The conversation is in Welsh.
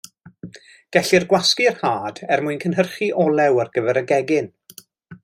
Gellir gwasgu'r had, er mwyn cynhyrchu olew ar gyfer y gegin.